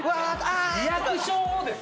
リアクションをですか